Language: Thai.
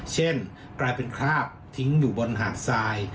เช่นกลายเป็นคราบทิ้งอยู่บนหาดทราย